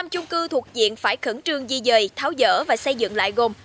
năm trung cư thuộc diện phải khẩn trương di dời tháo rỡ và xây dựng lại gồm